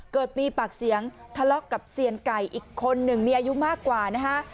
เกิดมีปากเสียงทะเลาะกับเซียนไก่อีกคนหนึ่งมีอายุมากกว่านะฮะ